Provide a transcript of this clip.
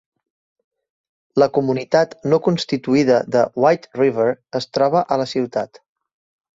La comunitat no constituïda de White River es troba a la ciutat.